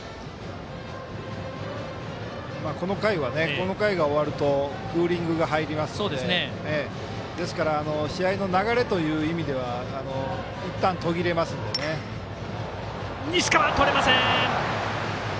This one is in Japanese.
この回が終わるとクーリングが入りますのでですから試合の流れという意味では西川、とれません。